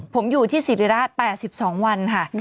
ผมอยู่ที่ศิริราช๘๒วันค่ะ